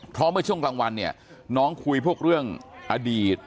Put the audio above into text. เพราะเมื่อช่วงกลางวันเนี่ยน้องคุยพวกเรื่องอดีต